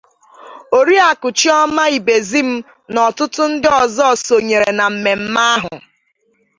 Oriakụ Chioma Ibezim na ọtụtụ ndị ọzọ sonyèrè na mmemme ahụ.